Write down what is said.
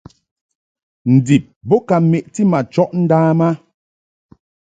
Ndib bo ka meʼti ma chɔʼ ndam a.